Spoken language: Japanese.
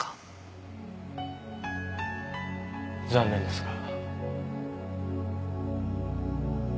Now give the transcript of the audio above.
残念ですが。